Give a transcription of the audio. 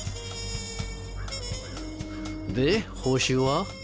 で報酬は？